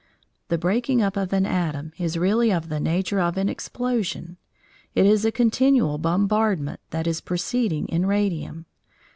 The breaking up of an atom is really of the nature of an explosion. It is a continual bombardment that is proceeding in radium.